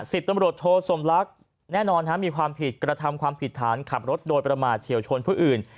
สิบตำรวจโทสมลักษณ์แน่นอนมีความผิดกระทำความผิดฐานขับรถโดยประมาทเฉียวชนผู้อื่น